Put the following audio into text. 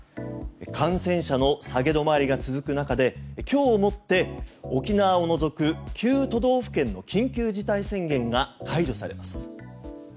感染者の下げ止まりが続く中で今日をもって沖縄を除く９都道府県の緊急事態宣言が解除されます。